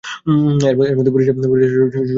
এর মধ্যে বরিশালে সবচেয়ে কম অভিযোগ জমা পড়েছে।